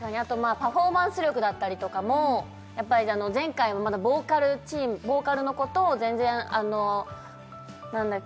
パフォーマンス力だったりとかもやっぱり前回もまだボーカルチームボーカルの子と全然何だっけ